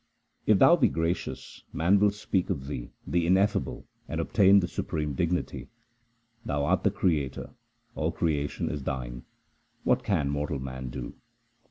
HYMNS OF GURU AMAR DAS 193 If Thou be gracious, man will speak of Thee the Ineffable and obtain the supreme dignity. Thou art the Creator ; all creation is Thine ; what can mortal man do